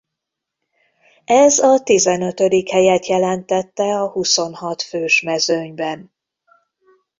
Ez a tizenötödik helyet jelentette a huszonhat fős mezőnyben.